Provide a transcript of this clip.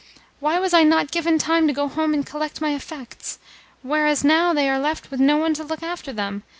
Why was I not given time to go home and collect my effects? Whereas now they are left with no one to look after them!